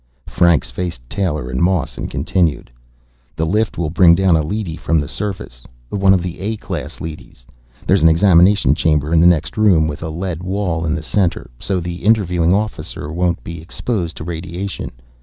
Franks faced Taylor and Moss and continued: "The lift will bring down a leady from the surface, one of the A class leadys. There's an examination chamber in the next room, with a lead wall in the center, so the interviewing officers won't be exposed to radiation.